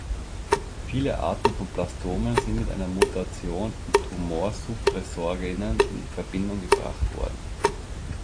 Viele Arten von Blastomen sind mit einer Mutation in Tumorsuppressorgenen in Verbindung gebracht worden.